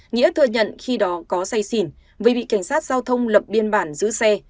nghĩa thừa nhận khi đó có say xỉn vì bị cảnh sát giao thông lập biên bản giữ xe